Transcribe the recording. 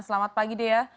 selamat pagi dea